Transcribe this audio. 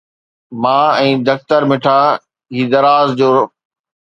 مان ۽ دختر مٺا هي دراز جو